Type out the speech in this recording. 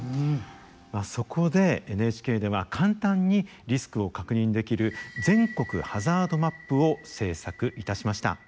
そこでＮＨＫでは簡単にリスクを確認できる全国ハザードマップを制作いたしました。